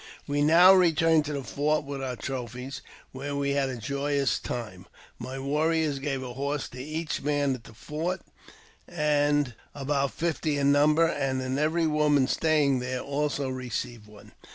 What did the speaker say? We now returned to the fort with our trophies, where we had a joyous time. My warriors gave a horse to each man at the fort, about fifty in number, and every woman staying there also received one.